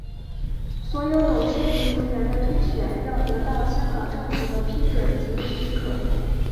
所有董事局成员的推选要得到香港政府的批准及许可。